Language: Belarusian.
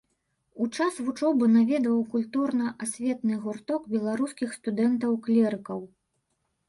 У час вучобы наведваў культурна-асветны гурток беларускіх студэнтаў-клерыкаў.